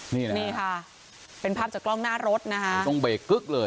นี่นะนี่ค่ะเป็นภาพจากกล้องหน้ารถนะคะต้องเบรกกึ๊กเลย